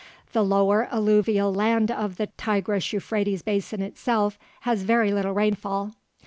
The lower alluvial land of the Tigris Euphrates basin itself has very little rainfall.